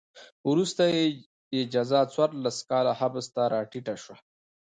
وروسته یې جزا څوارلس کاله حبس ته راټیټه شوه.